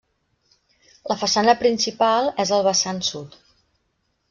La façana principal és al vessant sud.